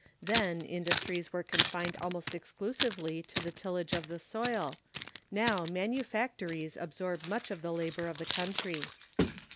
Then industries were confined almost exclusively to the tillage of the soil. Now manufactories absorb much of the labor of the country.